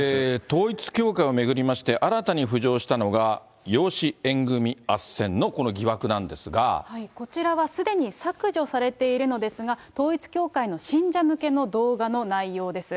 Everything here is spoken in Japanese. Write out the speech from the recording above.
統一教会を巡りまして、新たに浮上したのが、養子縁組あっせこちらはすでに削除されているのですが、統一教会の信者向けの動画の内容です。